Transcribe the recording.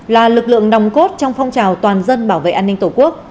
là lực lượng nòng cốt trong phong trào toàn dân bảo vệ an ninh tổ quốc